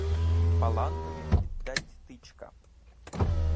Паллантові піддать тичка;